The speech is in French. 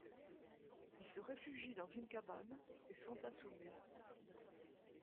Ils se réfugient dans une cabane et sont assommés.